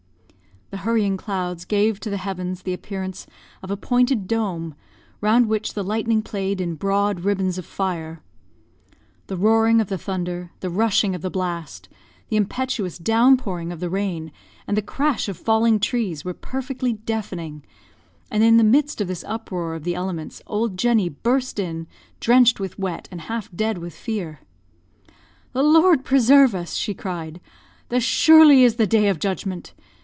The hurrying clouds gave to the heavens the appearance of a pointed dome, round which the lightning played in broad ribbons of fire. The roaring of the thunder, the rushing of the blast, the impetuous down pouring of the rain, and the crash of falling trees were perfectly deafening; and in the midst of this uproar of the elements, old Jenny burst in, drenched with wet, and half dead with fear. "The Lord preserve us!" she cried, "this surely is the day of judgment.